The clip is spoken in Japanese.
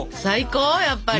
やっぱり。